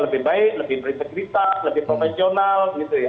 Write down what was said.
lebih bersekretas lebih profesional